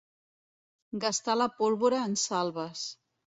Gastar la pólvora en salves.